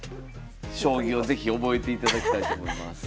将棋を是非覚えていただきたいと思います。